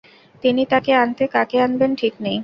তিনি কাকে আনতে কাকে আনবেন ঠিক নেই।